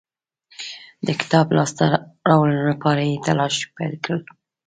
د کتاب د لاسته راوړلو لپاره یې تلاښ پیل کړ.